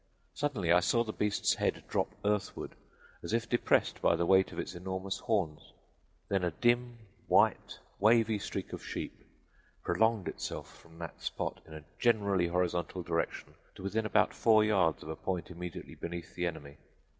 Suddenly I saw the beast's head drop earthward as if depressed by the weight of its enormous horns; then a dim, white, wavy streak of sheep prolonged itself from that spot in a generally horizontal direction to within about four yards of a point immediately beneath the enemy.